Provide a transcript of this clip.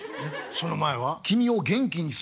その前は？